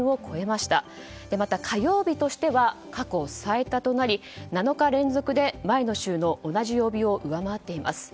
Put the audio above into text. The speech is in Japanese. また火曜日としては過去最多となり７日連続で前の週の同じ曜日を上回っています。